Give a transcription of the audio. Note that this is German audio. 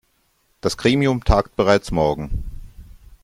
Das Gremium tagt bereits morgen.